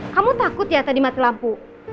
kamu takut ya tadi mati lampu